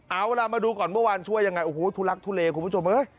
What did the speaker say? เอาล่ะมาดูก่อนเมื่อวานช่วยยังไงโอ้โหทุลักทุเลคุณผู้ชมเฮ้ย